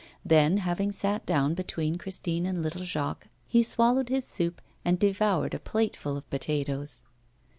Then, having sat down between Christine and little Jacques, he swallowed his soup and devoured a plateful of potatoes.